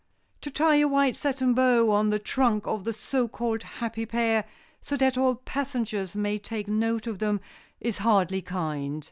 To tie a white satin bow on the trunk of the so called happy pair so that all passengers may take note of them, is hardly kind.